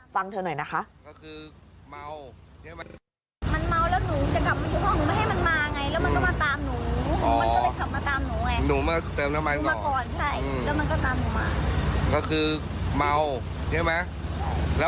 ฟังเธอหน่อยนะคะ